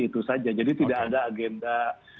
itu saja jadi tidak ada agenda